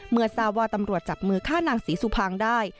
เมื่อทราบว่าตำรวจจับมือฆ่านางศรีสุภางได้